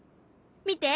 見て！